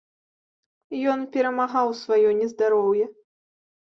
Ён перамагаў сваё нездароўе.